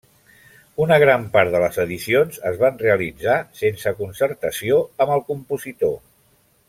Una gran part de les edicions es van realitzar sense concertació amb el compositor.